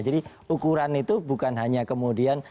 jadi ukuran itu bukan hanya kemudian